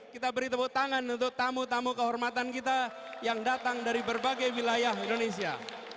kita beri tepuk tangan untuk tamu tamu kehormatan kita yang datang dari berbagai wilayah indonesia